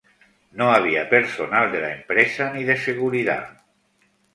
No había personal de la empresa ni de seguridad.